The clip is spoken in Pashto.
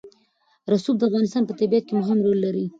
رسوب د افغانستان په طبیعت کې مهم رول لري.